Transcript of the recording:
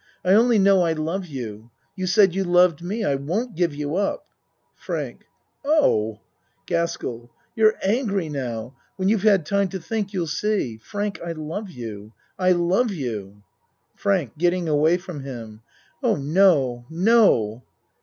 I only know I love you. You said you loved me. I won't give you up. FRANK Oh! GASKELL You're fcngry now. When you've had time to think you'll see. Frank, I love you. I love you. FRANK (Getting away from him.) Oh, no, no.